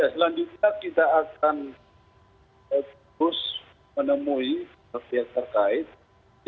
selanjutnya kita akan terus menemui pihak terkait